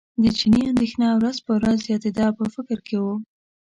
د چیني اندېښنه ورځ په ورځ زیاتېده په فکر کې و.